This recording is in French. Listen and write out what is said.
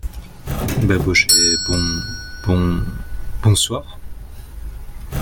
Babochet Bon … bon … bonsoir !